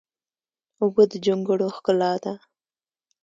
اوبه د جونګړو ښکلا ده.